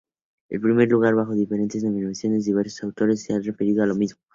En primer lugar, bajo diferentes denominaciones diversos autores se han referido a lo mismo.